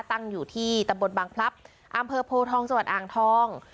ตั้งอยู่ที่ตำบลบางพลับอำเภอโพทองจังหวัดอ่างทอง